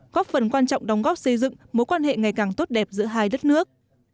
góp phần quan trọng đóng góp xây dựng mối quan hệ ngày càng tốt đẹp giữa hai đất nước